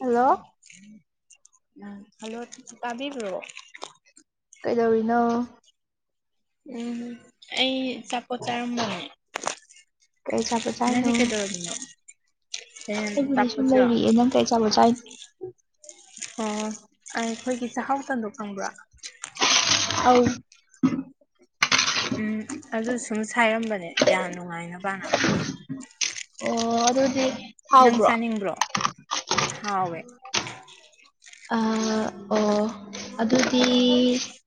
hello hello ꯄꯕꯤ꯭ꯔꯣ ꯀꯩꯗꯧꯔꯤꯅꯣ ꯎꯝ ꯑꯩ ꯆꯛ ꯄꯆꯥꯔꯝ ꯃꯅ ꯀꯩ ꯑꯆꯥꯄꯣꯠ ꯅꯅꯦ ꯆꯥꯏꯅꯣ ꯀꯦꯗꯔꯃꯤꯅ ꯍꯦ ꯇꯄꯥꯁꯤꯔꯣ ꯆꯥꯎ ꯆꯥꯏ ꯑꯣ ꯑꯩꯈꯣꯏꯒꯤ ꯆꯥꯍꯥꯎ ꯇꯝꯍꯣꯡ ꯈꯊꯣꯡꯕꯔꯣ ꯑꯧ ꯎꯝ ꯑꯗꯨ ꯁꯨꯝ ꯁꯥꯏꯔꯝꯕꯅꯦ ꯌꯥꯝ ꯅꯨꯡꯉꯥꯏ ꯅꯕꯥꯅꯗꯥ ꯑꯣ ꯑꯗꯨꯗꯤ ꯅꯪ ꯍꯥꯎꯕ꯭ꯔꯣ ꯆꯥꯅꯤꯡꯕ꯭ꯔꯣ ꯍꯥꯎꯋꯦ ꯑ ꯑꯣ ꯑꯗꯨꯗꯤ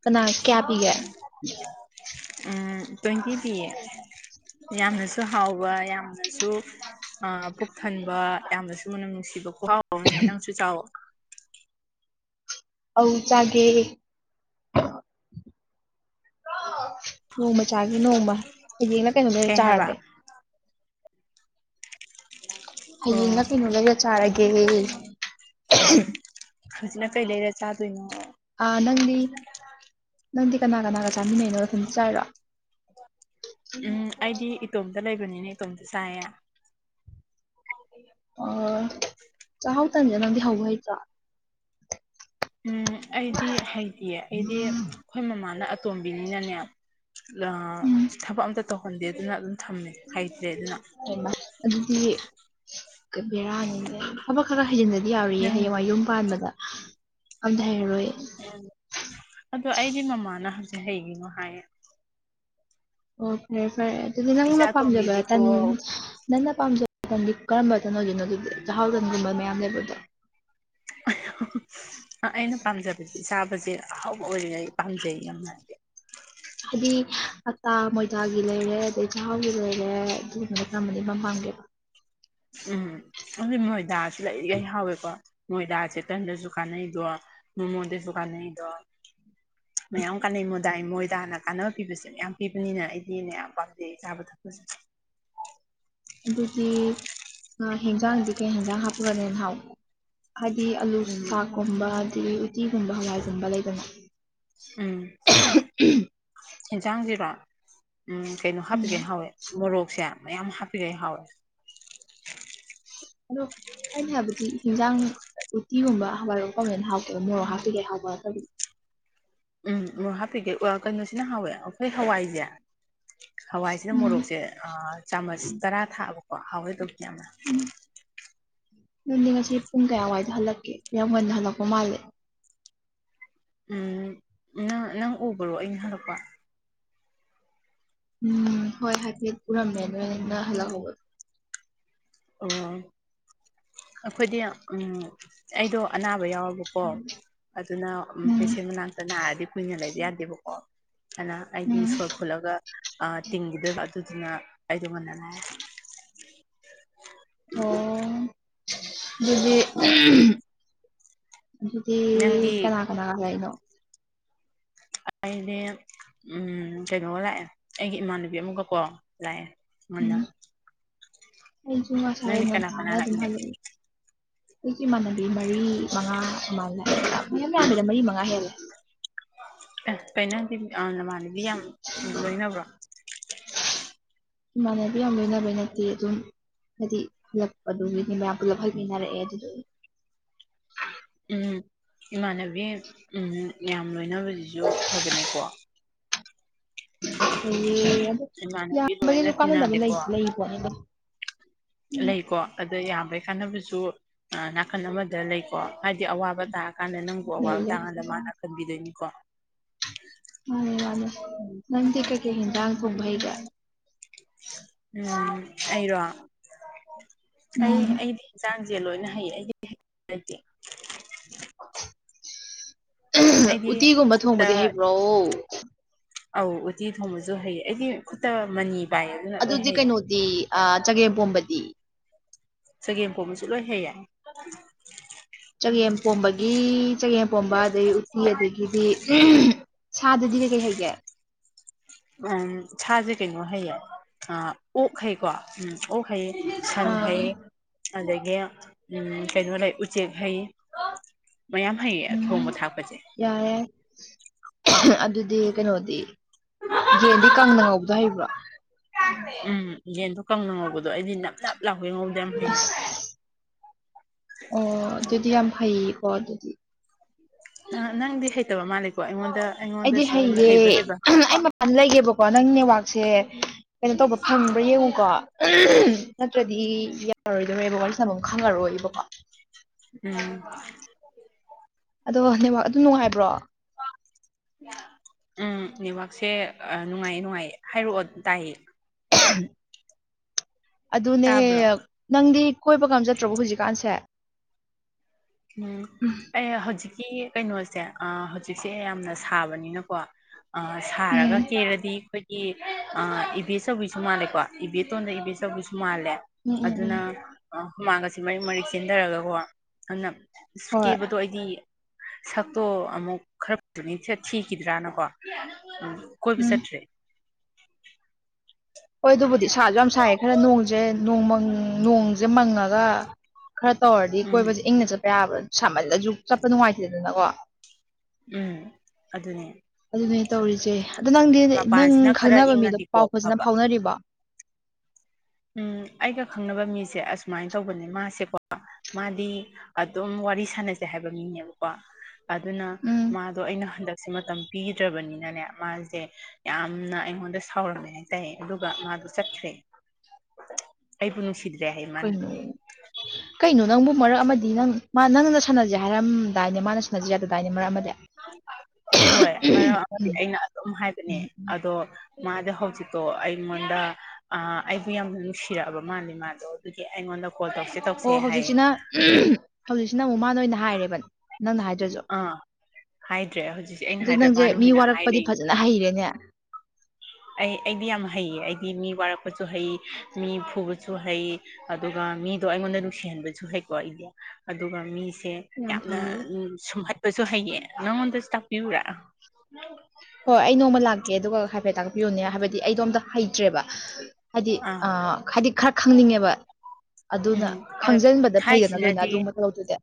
ꯀꯅ ꯀꯌꯥ ꯄꯤꯒꯦ ꯇ꯭ꯋꯦꯟꯇꯤ ꯄꯤ ꯌꯥꯝꯅꯁꯨ ꯍꯥꯎꯕ ꯌꯥꯝꯅꯁꯨ ꯄꯨꯛ ꯊꯟꯕ ꯌꯥꯝꯅꯁꯨ ꯃꯨꯅ ꯅꯨꯡꯁꯤꯕ ꯈꯍꯥꯎ ꯑꯃꯅꯦ ꯅꯪꯁꯨ ꯆꯥꯎꯋ ꯑ ꯆꯥꯒꯦ ꯅꯣꯡꯃ ꯆꯥꯒꯦ ꯅꯣꯡꯃ ꯍꯌꯦꯡꯅ ꯀꯩꯅꯣꯗꯔ ꯀꯩ ꯍꯥꯏꯕ ꯆꯥꯔꯗꯤꯦ ꯍꯌꯦꯡꯅ ꯑꯣ ꯀꯩꯅꯣ ꯂꯩꯒ ꯆꯥꯔꯒꯦ ꯍꯧꯖꯤꯅ ꯀꯩ ꯂꯩꯔ ꯆꯥꯗꯣꯏꯅꯣ ꯑ ꯅꯪꯗꯤ ꯅꯪꯗꯤ ꯀꯅꯥ ꯀꯅꯥꯒ ꯆꯥꯃꯤꯟꯅꯩꯅꯣ ꯅꯊꯟꯗ ꯆꯥꯏꯔꯣ ꯎꯝ ꯑꯩꯗꯤ ꯏꯇꯣꯝꯇ ꯂꯩꯕꯅꯤꯅꯦ ꯏꯇꯣꯝꯇ ꯆꯥꯌꯦ ꯑ ꯆꯥꯛꯍꯥꯎ ꯇꯟꯁꯦ ꯅꯪꯗꯤ ꯍꯧꯕ ꯍꯩꯇ꯭ꯔꯥ ꯎꯝ ꯑꯩꯗꯤ ꯍꯩꯇꯌꯦ ꯑꯩꯗꯤ ꯑꯩꯈꯣꯏ ꯃꯃꯥꯅ ꯑꯇꯣꯝꯕꯤꯅꯤꯅꯅꯦ ꯂꯥ ꯎꯝ ꯊꯕꯛ ꯑꯝꯇ ꯇꯧꯍꯟꯗꯦ ꯑꯗꯨꯅ ꯑꯗꯨꯝ ꯊꯝꯃꯦ ꯍꯥꯏꯩꯇ꯭ꯔꯦ ꯑꯗꯨꯅ ꯍꯩꯃ ꯑꯗꯨꯗꯤ ꯕꯦꯔꯥꯅꯤꯅꯦ ꯊꯕꯛ ꯈꯔ ꯈꯔ ꯍꯩꯖꯤꯟꯗꯗꯤ ꯌꯥꯎꯔꯤꯌꯦꯦ ꯅꯪ ꯍꯌꯦꯡꯋꯥꯏ ꯌꯨꯝ ꯄꯥꯟꯕꯗ ꯑꯝꯊꯩꯔꯔꯣꯏ ꯎꯝ ꯑꯗꯣ ꯑꯩꯒꯤ ꯃꯃꯥꯅ ꯍꯧꯪꯖꯤꯛ ꯍꯩꯒꯤꯅꯣ ꯍꯥꯏꯌꯦ ꯑꯣ ꯐꯔꯦ ꯐꯔꯦ ꯑꯗꯨꯗꯤ ꯏꯆꯥ ꯅꯪꯅ ꯄꯥꯝꯖꯕ ꯇ ꯑꯇꯣꯝꯕꯤꯗꯤꯀꯣ ꯅꯪꯅ ꯄꯥꯝꯖꯕ ꯃꯇꯝꯗꯤ ꯀꯔꯝꯕ ꯇꯝꯃꯚꯤꯅꯣ ꯑꯗꯨꯗꯤ ꯆꯥꯛꯍꯥꯎ ꯇꯟꯒꯨꯝꯕ ꯃꯌꯥꯝ ꯂꯩꯕꯗꯣ ꯑꯩꯅ ꯄꯥꯝꯖꯕꯁꯦ ꯆꯥꯕꯁꯦ ꯑꯍꯥꯎꯕ ꯑꯣꯏꯔꯤꯉꯩ ꯄꯥꯝꯖꯩ ꯌꯥꯝꯅ ꯍꯥꯏꯗꯤ ꯑꯇꯥ ꯃꯣꯏꯗꯥꯒꯤ ꯂꯩꯔꯦ ꯑꯗꯩ ꯆꯍꯥꯎꯒꯤ ꯂꯩꯔꯦ ꯑꯗꯨꯨꯝꯅꯗ ꯀꯔꯝꯕꯅ ꯏꯄꯥꯝ ꯄꯥꯝꯒꯦꯕ ꯎꯝ ꯑꯗꯨꯗꯤ ꯃꯣꯏꯗꯥꯁꯤ ꯂꯩꯔꯤ ꯂ ꯍꯥꯎꯋꯦꯀꯣ ꯃꯣꯏꯗꯥꯁꯦꯇꯟꯗꯁꯨ ꯀꯥꯟꯅꯩꯗꯣ ꯃꯃꯣꯟꯗꯁꯨ ꯀꯥꯟꯅꯩꯗꯣ [inaudible] ꯃꯌꯥꯝ ꯀꯥꯟꯅꯩ ꯃꯣꯏꯗ ꯃꯣꯏꯗ ꯍꯅ ꯀꯥꯟꯅꯕ ꯄꯤꯕꯁꯦ ꯃꯌꯥꯝ ꯄꯤꯕꯅꯤꯅ ꯑꯩꯗꯤꯩꯅ ꯌꯥꯝ ꯄꯥꯝꯖꯩ ꯆꯥꯕ ꯊꯛꯄꯁꯤꯁꯨ ꯑꯗꯨꯗꯤ ꯍꯦꯟꯖꯥꯡꯗꯤ ꯀꯩ ꯌꯦꯟꯖꯥꯡ ꯍꯥꯞꯄꯒꯅꯤ ꯅꯍꯥꯎ ꯍꯥꯏꯗꯤ ꯑꯂꯨ ꯎꯝ ꯆꯥꯛꯀꯨꯝꯕ ꯑꯗꯒꯤ ꯎꯇꯤꯒꯨꯝꯕ ꯍꯋꯥꯏꯒꯨꯝꯕ ꯂꯩꯗꯅ ꯎꯝ ꯑꯦꯟꯁꯥꯡꯁꯤꯔ ꯎꯝ ꯀꯩꯅꯣ ꯎꯝ ꯍꯥꯞꯄꯤꯒꯦ ꯍꯥꯎꯋꯦ ꯃꯣꯔꯣꯛꯁꯦ ꯃꯌꯥꯝ ꯍꯥꯞꯄꯤꯔꯦ ꯍꯥꯎꯋꯦ ꯑꯗꯣ ꯑꯩꯅ ꯍꯥꯏꯕꯗꯤ ꯍꯤꯟꯖꯥꯡ ꯎꯇꯤꯒꯨꯝꯕ ꯍꯋꯥꯏꯔꯣ ꯐꯖꯅ ꯍꯥꯎꯇꯔ ꯃꯣꯔꯣꯛ ꯍꯥꯞꯇꯤꯀꯩ ꯍꯥꯎꯊꯔꯄꯗꯤ ꯎꯝ ꯃꯣꯔꯣꯛ ꯍꯥꯞꯄꯤꯀꯦ ꯀꯩꯅꯣꯁꯤꯅ ꯍꯥꯎꯋꯦ ꯑꯩꯈꯣꯏ ꯍꯋꯥꯏꯁꯦ ꯍꯋꯥꯏꯁꯤꯅ ꯎꯝ ꯃꯣꯔꯣꯛꯁꯦ ꯆꯥꯃꯁ ꯇꯔꯥ ꯊꯥꯑꯕꯀꯣ ꯍꯥꯎꯋꯦꯗꯧꯀ ꯌꯥꯝꯅ ꯎꯝ ꯅꯪꯗꯤ ꯉꯁꯤ ꯄꯨꯡ ꯀꯌꯥꯋꯥꯏꯗ ꯍꯜꯂꯛꯀꯦ ꯌꯥꯝ ꯉꯟꯅ ꯍꯜꯂꯛꯄ ꯃꯥꯜꯂꯦ ꯎꯝ ꯅꯪ ꯅꯪ ꯎꯕꯔꯣ ꯑꯩꯅ ꯍꯜꯂꯛꯄ ꯎꯝ ꯍꯣꯏ ꯍꯥꯏꯐꯦꯠ ꯄꯨꯔꯝꯃꯦ ꯅꯣꯏ ꯅꯩꯅ ꯍꯜꯂꯛꯍꯧꯕꯗꯣ ꯑꯣ ꯑꯩꯈꯣꯏꯗꯤ ꯎꯝ ꯑꯩꯗꯣ ꯑꯅꯥꯕ ꯌꯥꯎꯔꯕꯀꯣ ꯑꯗꯨꯅ ꯎꯝ ꯄꯦꯁꯦꯟ ꯃꯅꯥꯛꯇ ꯅꯥꯔꯗꯤ ꯀꯨꯏꯅ ꯂꯩꯕ ꯌꯥꯗꯦꯕꯀꯣ ꯍꯥꯏꯅ ꯑꯩꯗꯤ ꯎꯝ ꯁꯣꯔ ꯐꯨꯠꯂꯒ ꯇꯤꯡꯈꯤꯗꯣꯏꯕ ꯑꯗꯨꯗꯨꯅ ꯑꯩꯗꯣ ꯉꯟꯅ ꯑꯣ ꯑꯗꯨꯗꯤ ꯑꯗꯨꯗꯤ ꯅꯪꯗꯤ ꯀꯅꯥ ꯀꯅꯥ ꯀꯅꯣ ꯑꯩꯗꯤ ꯎꯝ ꯀꯩꯅꯣꯒ ꯂꯥꯛꯑꯦ ꯑꯩꯒꯤ ꯏꯃꯥꯟꯅꯕꯤ ꯑꯃꯒꯀꯣ ꯂꯥꯛꯑꯦ ꯃꯂ ꯑꯩꯨꯃ ꯁꯥꯍꯦꯕ ꯃ ꯀꯅꯥ ꯀꯅꯥ ꯊꯥꯅ ꯇ ꯂꯥꯛꯃꯤꯟꯅꯒꯦ ꯂꯩ ꯍꯒꯤ ꯃꯅ ꯃꯔꯤ ꯃꯉꯥ ꯃꯥꯜꯂꯦ ꯃꯌꯥꯝ ꯌꯥꯝꯃꯤꯗ ꯃꯔꯤ ꯃꯉꯥ ꯍꯦꯜꯂꯦ ꯄꯅꯗꯤꯗ ꯃꯥꯅꯤ [inaudible] [inaudible] ꯃꯥꯅꯦꯕꯤ ꯌꯥꯝ ꯂꯣꯏꯅꯕꯩ ꯅꯠꯇꯦ ꯑꯗꯨꯝ ꯍꯥꯏꯗꯤ ꯍꯜꯂꯛꯄꯗꯨꯒꯤꯗꯤ ꯃꯌꯥꯝ ꯄꯨꯂꯞ ꯍꯟꯃꯤꯟꯅꯔꯛꯑꯦ ꯑꯗꯨꯗꯤ ꯎꯝ ꯏꯃꯥꯟꯅꯕꯤ ꯎꯝ ꯌꯥꯝ ꯂꯣꯏꯅꯕꯁꯤꯁꯨ ꯐꯕꯅꯤꯀꯣ ꯍ ꯑꯗꯨ ꯏꯃꯥꯟꯅꯕꯤ ꯂꯣꯏꯅ ꯌꯥꯝꯕꯒꯤꯁꯨ ꯀꯥꯟꯅꯟꯗꯕ ꯇꯤꯟꯅꯗꯦꯀꯣ ꯂꯩ ꯂꯩꯀꯣꯠꯅꯦꯗ ꯂꯩꯀꯣ ꯑꯗ ꯌꯥꯕꯩ ꯀꯥꯟꯅꯕꯁꯨ ꯅꯥꯀꯟ ꯑꯃꯗ ꯂꯩꯀꯣ ꯍꯥꯏꯗꯤ ꯑꯋꯥꯕ ꯇꯥꯔꯀꯥꯟꯗ ꯅꯪꯕꯨ ꯂꯩ ꯑꯋꯥꯕ ꯂꯩ ꯇꯥꯀꯥꯟꯗ ꯃꯥꯅ ꯀꯟꯕꯤꯗꯣꯏꯅꯤꯀꯣ ꯃꯥꯅꯦ ꯃꯥꯅꯦ ꯅꯟ ꯀ ꯀ ꯍ ꯅꯪ ꯊꯕ ꯍꯒ ꯎꯝ ꯑꯩꯔꯣ ꯑꯩ ꯎꯝ ꯑꯩꯗꯤꯟ ꯆꯥꯡ ꯁꯦ ꯂꯣꯏꯅ ꯍꯩ ꯑꯩꯗꯤ ꯍꯩꯇꯕꯥ ꯂꯩꯇꯦ ꯑꯩꯗꯤ ꯎꯇꯤꯒꯨꯝꯕ ꯈꯨꯠꯇ ꯊꯣꯡꯕꯗꯤ ꯍꯩꯕ꯭ꯔꯣ ꯑꯧ ꯎꯇꯤ ꯊꯣꯡꯕꯁꯨ ꯍꯩꯌꯦ ꯑꯩꯗꯤ ꯈꯨꯠꯇ ꯃꯅꯤ ꯄꯥꯏ ꯑꯗꯨꯅ ꯂꯣꯏ ꯍꯩꯌꯦ ꯗꯤ ꯑ ꯆꯒꯦꯝꯄꯣꯝꯕꯗꯤ ꯆꯒꯦꯝ ꯀꯣꯝꯕꯁꯨ ꯂꯣꯏ ꯍꯩꯏ ꯆꯒꯦꯝꯄꯣꯝꯕꯒꯤ ꯆꯒꯦꯝꯄꯣꯝꯕ ꯑꯗꯗꯒꯤ ꯎꯠꯇꯤ ꯑꯗꯒꯤꯗꯤ ꯁꯥꯗꯗꯤ ꯀꯩꯀꯩ ꯍꯥꯏꯩꯒꯦ ꯎ ꯁꯥꯖꯦ ꯀꯩꯅꯣ ꯍꯥꯏꯌꯦ ꯑ ꯑꯣꯛꯈꯩꯀꯣ ꯎꯝ ꯑꯣꯛ ꯍꯩ ꯁꯟ ꯑꯥ ꯍꯩ ꯑꯗꯒꯤ ꯀꯩꯅꯣ ꯂꯩ ꯎꯆꯦꯛ ꯍꯩ ꯃꯌꯥꯝ ꯍꯩꯌꯦ ꯊꯣꯡꯕ ꯎꯝ ꯊꯥꯛꯄꯁꯦ ꯌꯥꯔꯦ ꯑꯗꯨꯗꯤ ꯀꯩꯅꯣꯗꯤ ꯌꯦꯟꯗꯤ ꯀꯪꯅ ꯉꯧꯕꯗ ꯍꯩꯕ꯭ꯔꯥ ꯎꯝ ꯌꯦꯟꯗꯣ ꯀꯪꯅ ꯉꯧꯕꯗꯣ ꯑꯩꯗꯤ ꯅꯞ ꯅꯞ ꯂꯥꯎꯒꯩ ꯉꯧꯕꯗꯣ ꯌꯥꯝ ꯍꯩꯅꯩ ꯑꯣ ꯑꯗꯨꯗꯤ ꯌꯥꯝ ꯐꯩꯌꯦꯀꯣ ꯑꯗꯨꯗꯤ ꯅꯪꯗꯤ ꯍꯩꯇꯕ ꯃꯥꯜꯂꯦꯀꯣ ꯑꯩꯉꯣꯟꯗ ꯑꯩꯉꯣꯟꯗ ꯁꯨꯝ ꯍꯩꯕ ꯍ ꯂꯩꯌꯦꯦꯕꯀꯣ ꯅꯪ ꯅꯦꯠꯋꯥꯛꯁꯦ ꯀꯩꯅꯣ ꯇꯧꯕ ꯐꯪꯕ꯭ꯔꯥ ꯌꯦꯡꯉꯨꯀꯣ ꯎꯝ ꯅꯠꯇ꯭ꯔꯗꯤ ꯌꯥꯔꯣꯏꯗꯧꯔꯦ ꯋꯥꯔꯤ ꯁꯥꯐꯝ ꯈꯪꯉꯔꯣꯏꯕꯀꯣ ꯎꯝ ꯑꯗꯣ ꯅꯦꯕꯥꯛ ꯑꯗꯨ ꯅꯨꯡꯉꯥꯏꯕ꯭ꯔꯣ ꯎꯝ ꯅꯦꯠꯋꯥꯛꯁꯦ ꯑ ꯅꯨꯡꯉꯥꯏꯌꯦ ꯅꯨꯡꯉꯥꯏꯌꯦ ꯍꯥꯏꯔꯛꯑꯣ ꯑꯗꯨꯝ ꯇꯥꯏꯌꯦ ꯑꯗꯨꯅꯦ ꯇꯥꯕ꯭ꯔꯣ ꯅꯪꯗꯤ ꯀꯣꯏꯕ ꯉꯝꯖꯠꯇ꯭ꯔꯣꯕꯣ ꯍꯧꯖꯤꯛꯀꯥꯟꯁꯦ ꯎꯝ ꯑꯦ ꯍꯧꯖꯤꯛꯀꯤ ꯀꯩꯅꯣꯁꯦ ꯑ ꯍꯧꯖꯤꯛꯁꯦ ꯌꯥꯝꯅ ꯁꯥꯕꯅꯤꯅꯀꯣ ꯑ ꯁꯥꯔꯒ ꯎꯝ ꯀꯦꯔꯗꯤ ꯑꯩꯈꯣꯏ ꯏꯕꯦꯆꯧꯕꯤꯁꯨ ꯃꯥꯜꯂꯦꯀꯣ ꯏꯕꯦꯇꯣꯟꯗ ꯏꯕꯦꯆꯧꯕꯤꯁꯨ ꯃꯥꯜꯂꯦ ꯎꯝ ꯎꯝ ꯎꯝ ꯑꯗꯨꯅ ꯍꯨꯃꯥꯡꯒꯁꯤꯦ ꯃꯛ ꯃꯔꯤꯛ ꯆꯦꯟꯊꯔꯒꯀꯣ ꯑꯗꯨꯅ ꯀꯦ ꯍꯣꯏ ꯇꯣ ꯑꯩꯗꯤ ꯁꯛꯇꯣ ꯑꯃꯨꯛ ꯈꯔ ꯊꯤꯈꯤꯗ꯭ꯔꯥꯅꯀꯣ ꯎ ꯀꯣꯏꯕ ꯎꯝ ꯆꯠꯇ꯭ꯔꯦ ꯍꯣꯏ ꯑꯗꯨꯕꯨꯗꯤ ꯁꯥꯁꯨ ꯌꯥꯝ ꯁꯥꯏꯌꯦ ꯈꯔ ꯅꯣꯡꯁꯦ ꯅꯣꯡ ꯃꯪ ꯅꯣꯪꯁꯦ ꯃꯪꯉꯒ ꯈꯔ ꯇꯧꯔꯗꯤ ꯎꯝ ꯀꯣꯏꯕꯁꯦ ꯏꯪꯅ ꯆꯠꯄ ꯌꯥꯕ ꯁꯥꯃꯜꯂꯁꯨ ꯆꯠꯄ ꯅꯨꯡꯉꯥꯏꯇꯦꯗꯅꯀꯣ ꯎꯝ ꯑꯗꯨꯅꯦ ꯑꯗꯨꯅꯦ ꯇꯧꯔꯤꯁꯦ ꯑꯗꯣ ꯅꯪꯗꯤ ꯅꯪ ꯃꯄꯥꯟꯁꯤꯅ ꯈꯔ ꯈꯪꯅꯕ ꯃꯤꯗꯣ ꯏꯪꯉꯗꯤꯀꯣ ꯄꯥꯎ ꯐꯖꯅ ꯐꯕ ꯐꯥꯎꯅꯔꯤꯕꯣ ꯎꯝ ꯑꯩꯒ ꯈꯪꯅꯕ ꯃꯤꯁꯦ ꯑꯁꯨꯃꯥꯏꯅ ꯇꯧꯕꯅꯦ ꯃꯥꯁꯦꯀꯣ ꯃꯥꯗꯤ ꯑꯗꯨꯝ ꯋꯥꯔꯤ ꯁꯥꯟꯅꯁꯦ ꯍꯥꯏꯕ ꯃꯤꯅꯦꯕꯀꯣ ꯑꯗꯨꯅ ꯎꯝ ꯃꯥꯗꯣ ꯑꯩꯅ ꯍꯟꯗꯛꯁꯦ ꯃꯇꯝ ꯄꯤꯗ꯭ꯔꯕꯅꯤꯅꯅꯦ ꯃꯥꯁꯦ ꯌꯥꯝꯅ ꯑꯩꯉꯣꯟꯗ ꯁꯥꯎꯔꯝꯃꯦ ꯍꯥꯏꯇꯥꯔꯦ ꯑꯗꯨꯒ ꯃꯥꯗꯣ ꯆꯠꯈ꯭ꯔꯦ ꯑꯩꯕꯨ ꯅꯨꯡꯁꯤꯗꯦ ꯑꯩꯣꯏ ꯀꯩꯅꯣ ꯅꯪꯕꯨ ꯃꯔꯛ ꯑꯃꯗꯤ ꯅꯪ ꯃꯥ ꯅꯪꯅ ꯁꯥꯟꯅꯖꯦ ꯍꯥꯏꯔꯝꯗꯥꯏꯅꯦ ꯃꯥꯅ ꯁꯥꯟꯅꯖ ꯌꯥ ꯑꯗꯨꯗꯥꯏꯅꯦ ꯃꯔꯛ ꯑꯃꯗꯤ ꯍꯣꯏ ꯃꯔꯛ ꯑꯃꯗꯤ ꯑꯩꯅ ꯑꯗꯨꯝ ꯍꯥꯏꯕꯅꯦ ꯑꯗꯣ ꯃꯥꯗ ꯍ ꯍꯧꯖꯤꯤꯀꯣ ꯑ ꯃꯗ ꯑ ꯑꯩꯕꯨ ꯌꯥꯝꯅ ꯅꯨꯡꯁꯤꯔꯛꯑꯕ ꯃꯥꯜꯂ ꯃꯥꯗꯣ ꯑꯗꯨꯒꯤ ꯑꯩꯉꯣꯟꯗ ꯀꯣꯜ ꯇꯧꯁꯤ ꯑꯣ ꯍꯧꯖꯤꯛꯁꯤꯅ ꯎꯝ ꯍꯧꯖꯤꯛꯁꯤꯅ ꯃꯨꯛ ꯃꯥꯅ ꯑꯣꯏꯅ ꯍꯥꯏꯔꯦꯕ ꯅꯪꯅ ꯍꯥꯏꯗ꯭ꯔꯁꯨ ꯑ ꯍꯥꯏꯗ꯭ꯔꯦ ꯍꯧꯖꯤꯛꯁꯦ ꯑꯩꯅ ꯑꯗꯨ ꯍꯥꯏꯗ꯭ꯔꯥ ꯅꯪꯁꯦ ꯃꯥꯅ ꯃꯤ ꯑꯣꯏꯅꯥ ꯍꯥꯏ ꯋꯥꯔꯛꯄꯗꯤ ꯂꯩꯅꯦ ꯐꯖꯅ ꯍꯩꯔꯦꯅꯦ ꯑꯩ ꯑꯩꯗꯤ ꯌꯥꯝ ꯍꯩꯌꯦ ꯑꯩꯗꯤ ꯃꯤ ꯋꯥꯔꯛꯄꯁꯨ ꯍꯩ ꯃꯤ ꯐꯨꯕꯁꯨ ꯍꯩ ꯑꯗꯨꯒ ꯃꯤꯗꯣ ꯑꯩꯉꯣꯟꯗ ꯅꯨꯡꯁꯤꯍꯟꯕꯁꯨ ꯍꯩꯀꯣ ꯑꯩꯗꯤ ꯑꯗꯨꯒ ꯃꯤꯁꯦ ꯌꯥꯝ ꯌꯥꯝꯅ ꯐꯩꯌꯦ ꯎ ꯁꯨꯝꯍꯠꯄꯁꯨ ꯍꯩꯌꯦ ꯅꯉꯣꯟꯗꯁꯨ ꯇꯥꯛꯄꯤꯌꯨꯔꯥ ꯍꯣꯏ ꯑꯩ ꯅꯣꯡꯃ ꯂꯥꯛꯀꯦ ꯑꯗꯨꯒ ꯍꯥꯏꯐꯦꯠ ꯇꯥꯛꯄꯤꯌꯨꯅꯦ ꯍꯥꯏꯕꯗꯤ ꯑꯩꯗꯣ ꯑꯝꯇ ꯍꯩꯇ꯭ꯔꯦꯕ ꯍꯥꯏꯗꯤ ꯑ ꯑꯥ ꯍꯥꯏꯗꯤ ꯈꯔ ꯈꯪꯅꯤꯡꯉꯦꯕ ꯑꯗꯨꯅ ꯎꯝ ꯈꯪꯖꯤꯟꯕꯗ ꯐꯩꯗꯅ ꯂꯣꯏꯅ ꯍꯥꯏꯔꯤꯁꯤꯅꯗꯤ ꯑꯗꯨꯒꯨꯝꯕ ꯇꯧꯗꯨꯗꯤ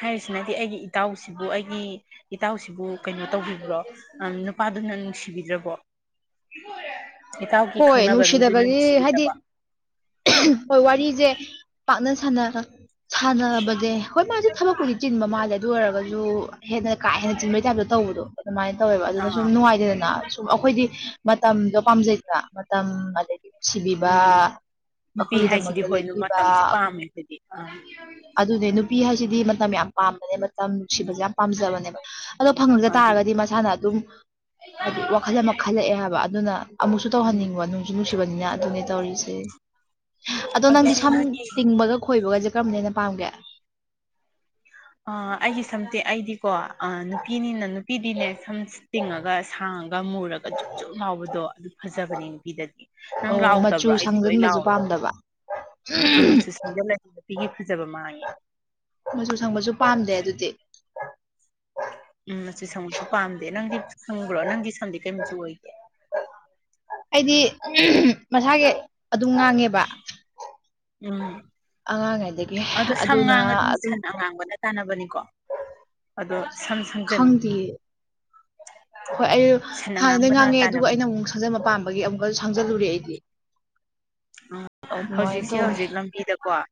ꯍꯥꯏꯔꯤꯁꯤꯅꯗꯤ ꯑꯩꯒꯤ ꯏꯇꯥꯎꯁꯤꯕꯨ ꯑꯩꯒꯤ ꯏꯇꯥꯎꯁꯤꯕꯨ ꯀꯩꯅꯣ ꯇꯧꯕꯤꯕ꯭ꯔꯣ ꯑꯝ ꯅꯨꯄꯥꯗꯨꯅ ꯅꯨꯡꯁꯤꯕꯤꯗ꯭ꯔꯕꯣ ꯏꯇꯥꯎꯒꯤ ꯍꯣꯏ ꯈꯪꯅꯕ ꯃꯤꯗꯨꯅ ꯅꯨꯡꯁꯤꯗꯕꯒꯤ ꯍꯥꯏꯗꯤ ꯅꯨꯡꯁꯤꯕꯤꯅꯕ ꯍꯣꯏ ꯋꯥꯔꯤꯁꯦ ꯄꯥꯛꯅ ꯁꯥꯟꯅꯒ ꯁꯥꯟꯅꯕꯁ ꯍꯣꯏ ꯃꯥꯁꯨ ꯊꯕꯛꯄꯨꯗꯤ ꯆꯤꯟꯕ ꯃꯥꯜꯂꯦ ꯑꯗꯨ ꯑꯣꯏꯔꯒꯁꯨ ꯍꯦꯟꯅ ꯀꯥ ꯍꯦꯟꯅ ꯆꯤꯟꯕꯩ ꯇꯥꯏꯞꯇ ꯇꯧꯕꯗꯣ ꯑꯗꯨꯃꯥꯏꯅ ꯇꯧꯋꯦꯕ ꯑꯗꯨꯅ ꯁꯨꯝ ꯑꯥ ꯅꯨꯡꯉꯥꯏꯇꯦꯗꯅ ꯁꯨꯝ ꯑꯩꯈꯣꯏꯗꯤ ꯃꯇꯝꯗꯣ ꯄꯥꯝꯖꯩꯗꯅ ꯃꯇꯝ ꯑꯗꯩ ꯁꯤꯕꯤꯕ ꯎꯝ ꯅꯨꯄꯤ ꯍꯥꯏꯁꯤꯗꯤ ꯑꯩꯈꯣꯏꯒꯤꯗꯃꯛꯇ ꯍꯣꯏ ꯂꯦꯞꯄꯤꯕ ꯃꯇꯝꯁꯦ ꯄꯥꯝꯃꯦ ꯑꯩꯈꯣꯏꯗꯤ ꯑꯥ ꯑꯗꯨꯅꯦ ꯅꯨꯄꯤ ꯍꯥꯏꯁꯤꯗꯤ ꯃꯇꯝ ꯌꯥꯝ ꯄꯥꯝꯕꯅꯦ ꯃꯇꯝ ꯅꯨꯡꯁꯤꯕꯁꯦ ꯌꯥꯝ ꯄꯥꯝꯖꯕꯅꯦꯕ ꯑꯗꯣ ꯐꯪꯉꯖ ꯑꯗꯨ ꯇꯥꯔꯒꯗꯤ ꯃꯁꯥꯅ ꯑꯗꯨꯝ ꯍꯥꯏꯗꯤ ꯋꯥꯈꯜ ꯑꯃ ꯈꯜꯂꯛꯑꯦ ꯍꯥꯏꯕ ꯑꯗꯨꯅ ꯑꯃꯨꯛꯁꯨ ꯎꯝ ꯇꯧꯍꯟꯅꯤꯡꯕ ꯅꯨꯡꯁꯨ ꯅꯨꯡꯁꯤꯕꯅꯤꯅ ꯑꯗꯨꯅꯦ ꯇꯧꯔꯤꯁꯦ ꯑꯗꯣ ꯅꯪꯗꯤ ꯁꯝ ꯇꯤꯡꯕꯒ ꯈꯣꯏꯕꯒꯁꯦ ꯀꯔꯝꯅ ꯍꯅ ꯄꯥꯝꯒꯦ ꯑ ꯑꯩꯒꯤ ꯁꯝꯇꯤ ꯑꯩꯗꯤꯀꯣ ꯅꯨꯄꯤꯅꯤꯅ ꯅꯨꯄꯤꯗꯤꯅꯦ ꯁꯝ ꯇꯤꯡꯉꯒ ꯁꯥꯡꯉꯒ ꯃꯨꯔꯒ ꯖꯨꯞ ꯖꯨꯝ ꯂꯥꯎꯕꯗꯣ ꯑꯗꯨ ꯐꯖꯕꯅꯦ ꯅꯨꯄꯤꯗꯗꯤ ꯅꯪ ꯑꯣ ꯂꯥꯎ ꯇꯕ꯭ꯔꯣ ꯃꯆꯨ ꯑꯩꯗꯤꯂꯣ ꯏ ꯁꯪꯖꯟꯕꯁꯨ ꯂꯥꯎꯑꯣꯦ ꯄꯥꯝꯗꯕ ꯑꯃꯁꯨ ꯁ꯭ꯋꯥꯏꯗ ꯅꯨꯄꯤꯒꯤ ꯐꯖꯕ ꯃꯥꯡꯉꯦ ꯃꯆꯨ ꯁꯪꯕꯁꯨ ꯄꯥꯝꯗꯦ ꯑꯗꯨꯗꯤ ꯎꯝ ꯃꯆꯨ ꯁꯪꯣꯏꯁꯨ ꯄꯥꯝꯗꯦ ꯅꯪꯗꯤ ꯁꯪꯕ꯭ꯔꯣ ꯅꯪꯗꯤ ꯁꯝꯗꯤ ꯀꯩ ꯃꯆꯨ ꯑꯣꯏꯗꯦ ꯑꯩꯗꯤ ꯃꯁꯥꯒꯤ ꯑꯗꯨꯝ ꯉꯥꯡꯉꯦꯕ ꯎꯝ ꯑꯉꯥꯡꯉꯩꯗꯒꯤ ꯑꯗꯣ ꯁꯝ ꯑꯗꯨꯅ ꯉꯥꯡꯉꯗꯤ ꯑꯗꯨꯝ ꯁꯟ ꯑꯉꯥꯡꯕꯅ ꯇꯥꯟꯅꯕꯅꯤꯀꯣ ꯑꯗ ꯁꯝ ꯁꯝꯖꯅꯤꯡ ꯈꯪꯗꯦꯌꯦ ꯍꯣꯏ ꯑꯩ ꯁꯟ ꯍꯥꯟꯅꯗꯩ ꯑꯉꯥꯡꯕꯅ ꯉꯥꯡꯉꯦ ꯑꯗꯨꯒ ꯇꯥꯟꯅꯕꯅꯤ ꯑꯩꯅ ꯑꯃꯨꯛ ꯁꯪꯖꯟꯕ ꯄꯥꯝꯕꯒꯤ ꯑꯃꯨꯛꯀꯁꯨ ꯁꯪꯖꯜꯂꯨꯔꯦ ꯑꯩꯗꯤ ꯑ ꯑꯗꯨꯃꯥꯏꯅ ꯍꯧꯖꯤꯛꯁꯦ ꯇꯧꯋꯦ ꯍꯧꯖꯤꯛ ꯂꯝꯕꯤꯗꯀꯣ ꯑ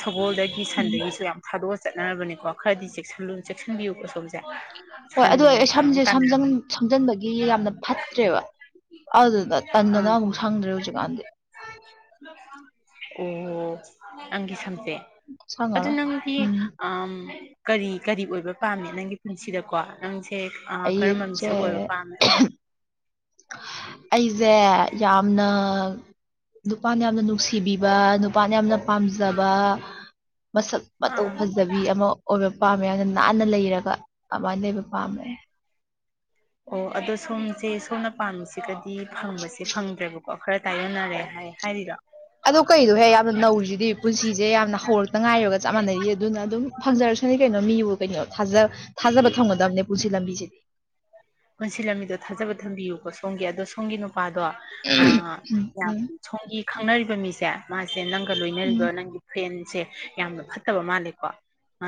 ꯁꯒꯣꯜꯗꯒꯤ ꯎꯝ ꯁꯟꯗꯒꯤꯁꯨ ꯌꯥꯝ ꯊꯥꯗꯣꯛꯑ ꯆꯠꯅꯔꯕꯅꯤꯀꯣ ꯈꯔꯗꯤ ꯆꯦꯛꯁꯤꯟꯕꯤꯌꯨꯀ ꯁꯣꯝꯁꯦ ꯍꯣꯏ ꯁꯟ ꯑꯗꯨ ꯑꯩ ꯑꯩ ꯑꯃꯨꯛ ꯁꯝꯁꯦ ꯇꯥꯟꯅꯔꯛꯀꯅꯤ ꯁꯝꯖꯟꯕꯒꯤ ꯌꯥꯝꯅ ꯐꯠꯇ꯭ꯔꯦꯕ ꯑꯗꯨꯅ ꯑꯥ ꯇꯟꯟꯅꯗꯅ ꯑꯃꯨꯛ ꯁꯪꯗ꯭ꯔꯦ ꯍꯧꯖꯤꯛꯀꯥꯟꯗꯤ ꯑꯣ ꯑꯪꯒꯤ ꯁꯝꯁꯦ ꯑꯗꯨ ꯁꯪꯉꯔꯣꯏ ꯅꯪꯒꯤ ꯎꯝ ꯑ ꯀꯔꯤ ꯀꯔꯤ ꯑꯣꯏꯕ ꯄꯥꯝꯃꯦ ꯅꯪꯒꯤ ꯄꯨꯟꯁꯤꯗꯀꯣ ꯅꯪꯁꯦ ꯀꯔꯝꯕ ꯑꯩꯁꯦ ꯁꯛ ꯑꯣꯏꯕ ꯄꯥꯝꯃꯦ ꯑꯩꯁꯦ ꯌꯥꯝꯅ ꯅꯨꯄꯥꯅ ꯌꯥꯝꯅ ꯅꯨꯡꯁꯤꯕꯤꯕ ꯅꯨꯄꯥꯅ ꯌꯥꯝꯅ ꯄꯥꯝꯖꯕ ꯃꯁꯛ ꯃꯇꯧ ꯑꯥ ꯐꯖꯕꯤ ꯑꯃ ꯑꯣꯏꯕ ꯄꯥꯝꯃꯦ ꯑꯗꯨꯅ ꯅꯥꯟꯅ ꯂꯩꯔꯒ ꯑꯗꯨꯃꯥꯏꯅ ꯂꯩꯕ ꯄꯥꯝꯃꯦ ꯑꯣ ꯑꯗꯣ ꯁꯣꯝꯁꯦ ꯁꯣꯝꯅ ꯄꯥꯝꯃꯤꯁꯤꯒꯗꯤ ꯐꯪꯕꯁꯦ ꯐꯪꯗ꯭ꯔꯦꯕꯀꯣ ꯈꯔ ꯇꯥꯏꯌꯣꯟꯅꯔꯦ ꯍꯥꯏ ꯍꯥꯏꯔꯤꯔꯣ ꯑꯗꯨ ꯀꯩꯗꯣ ꯍꯦꯛ ꯌꯥꯝꯅ ꯅꯧꯔꯤꯁꯤꯗꯤ ꯄꯨꯟꯁꯤꯁꯦ ꯌꯥꯝꯅ ꯍꯧꯔꯛꯇ ꯉꯥꯏꯔꯤꯕꯒ ꯆꯞ ꯃꯥꯟꯅꯔꯤ ꯑꯗꯨꯅ ꯑꯗꯨꯝ ꯐꯪꯖꯔꯁꯅꯤ ꯀꯩꯅꯣ ꯃꯤꯕꯨ ꯀꯩꯅꯣꯥ ꯊꯥꯖ ꯊꯥꯖꯕ ꯊꯝꯒꯗꯕꯅꯦ ꯄꯨꯟꯁꯤ ꯂꯝꯕꯤꯁꯤꯗꯤ ꯄꯨꯟꯁꯤꯜꯂꯝꯃꯤꯗꯣ ꯊꯥꯖꯕ ꯊꯝꯕꯤꯌꯨꯀꯣ ꯁꯣꯝꯒꯤ ꯑꯗꯣ ꯁꯣꯝꯒꯤ ꯅꯨꯄꯥꯗꯣ ꯑ ꯌꯥꯝ ꯎꯝ ꯁꯣꯝꯒꯤ ꯈꯪꯅꯔꯤꯕ ꯃꯤꯁꯦ ꯃꯥꯁꯦ ꯅꯪꯒ ꯂꯣꯏꯅꯔꯤꯕ ꯎꯝ ꯅꯪꯒꯤ ꯐꯦꯟꯁꯦ ꯌꯥꯝꯅ ꯐꯠꯇꯕ ꯃꯥꯜꯂꯦꯀꯣ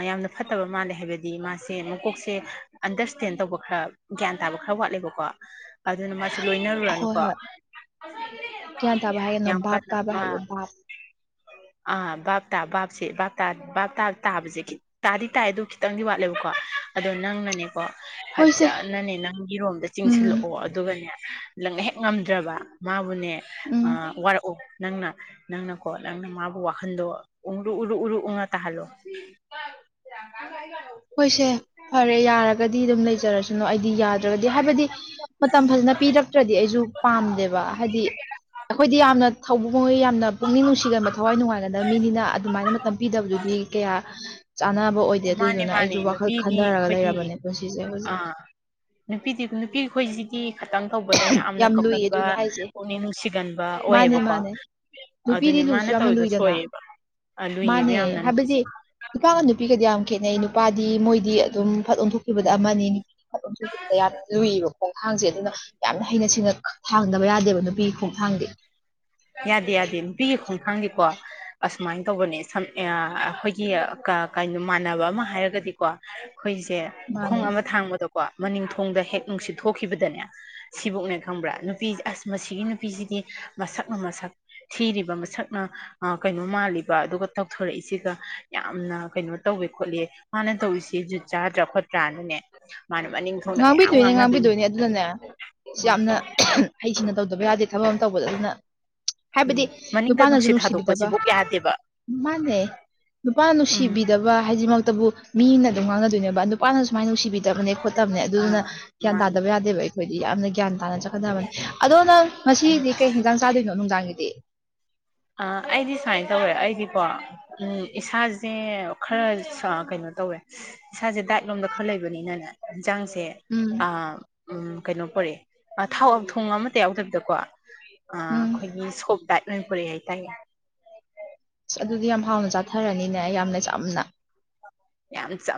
ꯌꯥꯝꯅ ꯐꯠꯇꯕ ꯃꯥꯜꯂꯦ ꯍꯥꯏꯕꯗꯤ ꯃꯥꯁꯦ ꯃꯀꯣꯛꯁꯦ ꯑꯟꯗꯔꯁꯇꯦꯟ ꯇꯧꯕ ꯈꯔ ꯒ꯭ꯌꯥꯟ ꯇꯥꯕ ꯈꯔ ꯋꯥꯠꯂꯦꯕꯀꯣ ꯑꯗꯨꯅ ꯃꯥꯁꯦ ꯍꯣꯏ ꯂꯣꯏꯅꯔꯨꯔꯅꯨꯀꯣ ꯍꯣꯏ ꯒ꯭ꯌꯥꯟ ꯇꯥꯕ ꯍꯥꯏꯒꯅꯣ ꯌꯥꯝ ꯚꯥꯞ ꯀꯅ ꯇꯥꯕ ꯃ ꯍꯥꯏꯌꯣ ꯚꯥꯞ ꯑ ꯕꯥꯞꯇꯥ ꯕꯥꯞꯁꯦ ꯕꯥꯄꯇꯥ ꯕꯥꯞ ꯕꯥꯞꯇꯥꯕꯁꯦ ꯈꯤꯠ ꯇꯥꯗꯤ ꯇꯥꯏ ꯑꯗꯨ ꯈꯤꯇꯪꯗꯤ ꯋꯥꯠꯂꯦꯕꯀꯣ ꯑꯗꯣ ꯅꯪꯅꯅꯦꯀꯣ ꯍꯣꯏꯁꯦ ꯐꯖ ꯅꯅꯦ ꯅꯪꯒꯤꯔꯣꯝꯗ ꯎꯝ ꯆꯤꯡꯁꯤꯜꯂꯛꯑꯣ ꯑꯗꯨꯒꯅꯦ ꯅꯪꯅ ꯍꯦꯛ ꯉꯝꯗ꯭ꯔꯕ ꯃꯥꯕꯨꯅꯦ ꯑ ꯎꯝ ꯋꯥꯔꯛꯎ ꯅꯪꯅ ꯅꯪꯅꯀꯣ ꯅꯪꯅ ꯃꯥꯕꯨ ꯋꯥꯈꯟꯗꯣ ꯎꯔꯨ ꯎꯔꯨ ꯎꯔꯨ ꯎꯡꯉ ꯇꯥꯍꯜꯂꯣ ꯀꯥꯏꯒ ꯍꯣꯏꯁꯦ ꯐꯔꯦ ꯌꯥꯔꯒꯗꯤ ꯑꯗꯨꯝ ꯂꯩꯖꯔꯁꯅꯨ ꯑꯩꯗꯤ ꯌꯥꯗ꯭ꯔꯒꯗꯤ ꯍꯥꯏꯕꯗꯤ ꯃꯇꯝ ꯐꯖꯅ ꯄꯤꯔꯛꯇ꯭ꯔꯗꯤ ꯑꯩꯁꯨ ꯄꯥꯝꯗꯦꯕ ꯍꯥꯏꯗꯤ ꯑꯩꯈꯣꯏꯗꯤ ꯌꯥꯝꯅ [unintelligible] ꯌꯥꯝꯅ ꯄꯨꯛꯅꯤꯡ ꯅꯨꯡꯁꯤꯒꯕ ꯊꯋꯥꯏ ꯅꯨꯡꯉꯥꯏꯒꯗꯕ ꯃꯤꯅꯤꯅ ꯑꯗꯨꯃꯥꯏꯅ ꯃꯇꯝ ꯄꯤꯗꯕꯗꯨꯗꯤ ꯀꯌꯥ ꯆꯥꯅꯕ ꯑꯣꯏꯗꯦ ꯑꯗꯨ ꯃꯥꯅꯤ ꯅꯨꯄꯤꯗꯤ ꯑꯩꯈꯣꯏꯗꯤ ꯄꯨꯟꯁꯤꯁꯦ ꯑ ꯍꯧꯖꯤꯛ ꯅꯨꯄꯤꯗꯤ ꯅꯨꯄꯤ ꯑꯩꯈꯣꯏꯁꯤ ꯇꯤ ꯈꯛꯇꯪ ꯇꯧꯕꯗ ꯌꯥꯝꯅ ꯌꯥꯝ ꯂꯨꯏ ꯀꯞꯀꯟꯕ ꯑꯗꯨꯅꯦ ꯍꯥꯏꯁꯦ ꯄꯨꯛꯅꯤꯡ ꯅꯨꯡꯁꯤꯒꯟꯕ ꯃꯥꯅꯦ ꯑꯣꯏꯌꯦꯕꯀꯣ ꯃꯥꯅꯦ ꯅꯨꯄꯤꯗꯤ ꯑꯗꯨꯅꯦ ꯂꯨꯁꯨ ꯃꯥꯅ ꯌꯥꯝꯅ ꯇꯧꯋꯤꯗꯣ ꯂꯨꯏꯗꯅ ꯁꯣꯏꯑꯦꯕ ꯑ ꯂꯨꯏꯌꯦꯕ ꯃꯥꯅꯦ ꯌꯥꯝꯅ ꯅꯨꯄꯤꯁꯦ ꯍꯥꯏꯕꯗꯤ ꯅꯨꯄꯥꯒ ꯅꯨꯄꯤꯒꯗꯤ ꯌꯥꯝ ꯈꯦꯠꯅꯩ ꯅꯨꯄꯥꯗꯤ ꯃꯣꯏꯗꯤ ꯑꯗꯨꯝ ꯐꯠ ꯑꯣꯟꯊꯣꯛ ꯁꯨꯈꯤꯕꯗ ꯑꯃꯅꯤ ꯁꯣꯏꯈꯤꯕꯗ ꯌꯥꯝꯅ ꯂꯨꯏꯌꯦꯕ ꯈꯣꯡꯊꯥꯡꯁꯦ ꯑꯗꯨꯅ ꯌꯥꯝꯅ ꯍꯩ ꯁꯤꯦꯡꯅ ꯊꯥꯡꯗꯕ ꯌꯥꯗꯦꯕ ꯅꯨꯄꯤ ꯈꯣꯡꯊꯥꯡꯗꯦ ꯌꯥꯗꯦ ꯌꯥꯗꯦ ꯅꯨꯄꯤꯒꯤ ꯈꯣꯡꯊꯥꯡꯗꯤꯀꯣ ꯑꯁꯨꯃꯥꯏꯅ ꯇꯧꯕꯅꯦ ꯁꯝ ꯑ ꯑꯩꯈꯣꯏꯒꯤ ꯀ ꯀꯩꯅꯣ ꯃꯥꯟꯅꯕ ꯑꯃ ꯍꯥꯏꯔꯒꯗꯤ ꯀꯣ ꯑꯩꯈꯣꯏꯁꯦ ꯈꯣꯡ ꯃꯥꯅꯦ ꯑꯃ ꯊꯥꯡꯕꯗꯣ ꯀꯣ ꯃꯅꯤꯡ ꯊꯣꯡꯗ ꯍꯦꯛ ꯅꯨꯡꯁꯤꯠ ꯊꯣꯛꯈꯤꯕꯗꯅꯦ ꯁꯤꯕꯨꯛꯅꯦ ꯈꯪꯕ꯭ꯔꯥ ꯅꯨꯄꯤꯁ ꯑꯁ ꯃꯁꯤꯒꯤ ꯅꯨꯄꯤꯁꯤ ꯃꯁꯛꯅ ꯃꯁꯛ ꯊꯤꯔꯤꯕ ꯃꯁꯛꯅ ꯀꯩꯅꯣ ꯃꯥꯜꯂꯤꯕ ꯑꯗꯨꯒ ꯇꯧꯊꯣꯔꯛꯏꯁꯤꯒ ꯌꯥꯝꯅ ꯀꯩꯅꯣ ꯇꯧꯋꯦ ꯈꯣꯠꯂꯤ ꯃꯥꯅ ꯇꯧꯔꯤꯁꯦ ꯖꯨꯠ ꯆꯥꯗ꯭ꯔꯥ ꯈꯣꯠꯇ꯭ꯔꯥꯅꯅꯦ ꯃꯥꯅ ꯃꯅꯤꯡ ꯊꯣꯡꯅ ꯃꯌꯥꯝ ꯉꯥꯡꯕꯤꯗꯣꯏꯅꯦ ꯉꯥꯡꯅꯗꯣꯏꯅꯤ ꯉꯥꯡꯕꯤꯗꯣꯏꯅꯦ ꯑꯗꯨꯅꯅꯦ ꯁꯤ ꯎꯝ ꯌꯥꯝꯅ ꯍꯩꯁꯤꯅ ꯇꯧꯗꯕ ꯌꯥꯗꯦ ꯊꯕꯛ ꯑꯃ ꯇꯧꯕꯗ ꯑꯗꯨꯅ ꯎꯝ ꯍꯥꯏꯕꯗꯤ ꯃꯅꯤꯡꯗ ꯅꯨꯄꯥꯅꯁꯨ ꯅꯨꯡꯁꯤꯠ ꯅꯨꯡꯁꯤꯕꯤꯗꯕ ꯊꯥꯗꯣꯛꯄꯁꯤꯕꯨ ꯌꯥꯗꯦꯕ ꯃꯥꯅꯦ ꯅꯨꯄꯥꯅ ꯎꯝ ꯅꯨꯡꯁꯤꯕꯤꯗꯕ ꯍꯥꯏꯗꯤꯃꯛꯇꯕꯨ ꯃꯤꯅ ꯑꯗꯨꯝ ꯉꯥꯡꯅꯗꯣꯏꯅꯦꯕ ꯅꯨꯄꯥꯅ ꯁꯨꯃꯥꯏꯅ ꯅꯨꯡꯁꯤꯕꯤꯗ [unintelligible] ꯑꯗꯨꯗꯨꯅ ꯑꯥ ꯒ꯭ꯌꯥꯟ ꯃꯥꯅꯦ ꯇꯥꯗꯕ ꯌꯥꯗꯦꯕ ꯑꯩꯈꯣꯏꯗꯤ ꯌꯥꯝꯅ ꯒ꯭ꯌꯥꯟ ꯇꯥꯅ ꯆꯠꯀꯗꯕꯅꯤ ꯑꯗꯣ ꯅꯪ ꯉꯁꯤꯗꯤ ꯀꯩ ꯍꯦꯟꯖꯥꯡ ꯆꯥꯗꯣꯏꯅꯣ ꯅꯨꯡꯗꯥꯡꯒꯤꯗꯤ ꯑ ꯑꯩꯗꯤ ꯁꯨꯃꯥꯏꯅ ꯇꯧꯋꯦ ꯑꯩꯗꯤꯀꯣ ꯎꯝ ꯏꯁꯥꯁꯦ ꯈꯔ ꯑ ꯀꯩꯅꯣ ꯇꯧꯋꯦ ꯏꯁꯥꯁꯦ ꯗꯥꯏꯠ ꯂꯣꯝꯗ ꯈꯔ ꯂꯩꯕꯅꯤꯅꯅ ꯏꯟꯁꯥꯡꯁꯦ ꯎꯝ ꯑ ꯎꯝ ꯀꯩꯅꯣ ꯄꯣꯔꯦ ꯊꯥꯎ ꯊꯣꯡ ꯑꯃꯇ ꯌꯥꯎꯗꯕꯤꯗꯀꯣ ꯑ ꯎꯝ ꯑꯩꯈꯣꯏꯒꯤ ꯁꯣꯞ ꯗꯥꯏꯠ ꯑꯣꯏꯅ [unintelligible] ꯍꯥꯏꯇꯥꯏꯌꯦ ꯑꯁ ꯑꯗꯨꯗꯤ ꯌꯥꯝ ꯍꯥꯎꯅ ꯆꯥꯊꯔꯅꯤꯅꯦ ꯌꯥꯝꯅ ꯆꯝꯅ ꯌꯥꯝ [unintelligible]